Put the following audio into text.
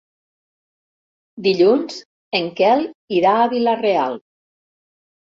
Dilluns en Quel irà a Vila-real.